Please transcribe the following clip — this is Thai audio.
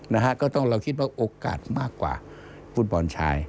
เราต้องคิดว่าโอกาสมากกว่าฟุตบอลชาย